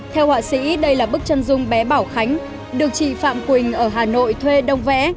theo họa sĩ đây là bức chân dung bé bảo khánh được chị phạm quỳnh ở hà nội thuê đông vẽ